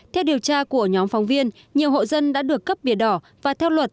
theo điều tra của nhóm phóng viên nhiều hộ dân đã được cấp biển đỏ và theo luật